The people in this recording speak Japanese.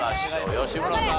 吉村さん